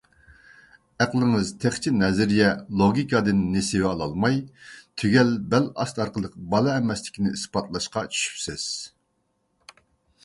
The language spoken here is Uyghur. ئەقلىڭىز تېخىچە نەزىرىيە، لوگىكادىن نېسىۋە ئالالماي، تۈگەل بەل ئاستى ئارقىلىق بالا ئەمەسلىكنى ئىسپاتلاشقا چۈشۈپسىز.